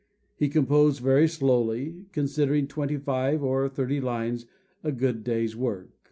He composed very slowly, considering twenty five or thirty lines a good day's work.